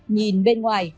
nhìn bên ngoài